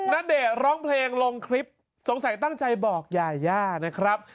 ณเดชน์ร้องเพลงลงคลิปสงสัยตั้งใจบอกยาย่านะครับ